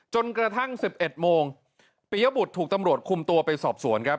จนกระทั่ง๑๑โมงปียบุตรถูกตำรวจคุมตัวไปสอบสวนครับ